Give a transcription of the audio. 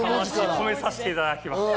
込めさせていただきました。